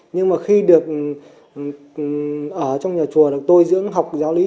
nhưng mà khi được ở trong nhà chùa tôi dưỡng học giáo lý